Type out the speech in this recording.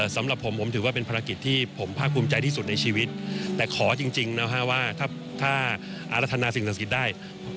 สำหรับผมผมถือว่าเป็นภารกิจที่ผมภาคภูมิใจที่สุดในชีวิตแต่ขอจริงนะฮะว่าถ้าอารัฐนาสิ่งศักดิ์สิทธิ์ได้